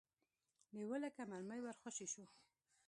لېوه لکه مرمۍ ور خوشې شو.